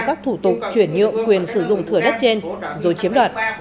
các thủ tục chuyển nhượng quyền sử dụng thửa đất trên rồi chiếm đoạt